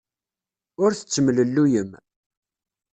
Ur tettemlelluyem.